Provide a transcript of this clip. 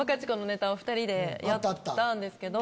２人でやったんですけど。